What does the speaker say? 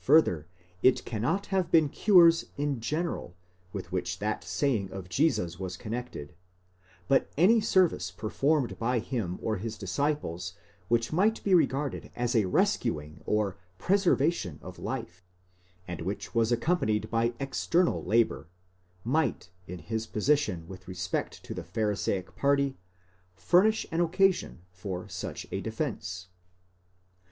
4® Fur ther, it cannot have been cures in general with which that saying of Jesus was connected ; but any service performed by him or his disciples which might be regarded as a rescuing or preservation of life, and which was accompanied by external labour, might in his position with respect to the Pharisaic party, furnish an occasion for such a defence.